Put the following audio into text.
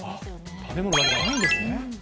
食べ物だけじゃないんですね。